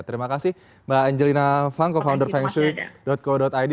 terima kasih mbak angelina fang co founder feng shui co id